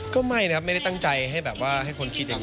ก็ไม่นะครับไม่ได้ตั้งใจให้แบบว่าให้คนคิดอย่างนี้